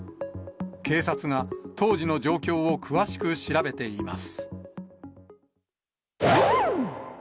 警察が当時の状況を詳しく調べています。